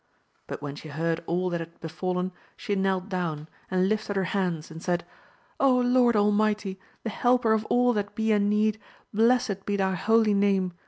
But when she heard all that had befallen, she knelt down, and lifted her hands 246 AMADIS OF GAUL and said, Lord Almighty, the helper of all that be UL Deed, blessed be thy holy name